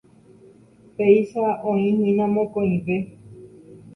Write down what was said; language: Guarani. Péicha oĩhína mokõive.